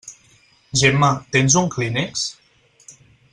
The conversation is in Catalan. Gemma, tens un clínex?